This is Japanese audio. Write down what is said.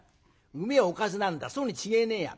うめえおかずなんだそうに違えねえや。